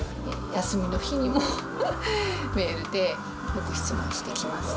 休みの日にもメールでよく質問してきます。